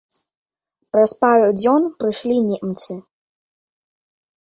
Праз пару дзён прышлі немцы.